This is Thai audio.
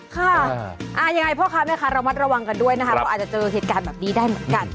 ค่ะยังไงพ่อค้าแม่ค้าระมัดระวังกันด้วยนะคะเพราะอาจจะเจอเหตุการณ์แบบนี้ได้เหมือนกัน